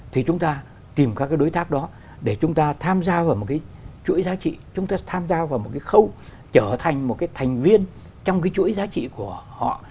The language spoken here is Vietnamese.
thì chúng ta tìm các cái đối tác đó để chúng ta tham gia vào một cái chuỗi giá trị chúng ta tham gia vào một cái khâu trở thành một cái thành viên trong cái chuỗi giá trị của họ